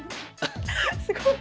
すごい。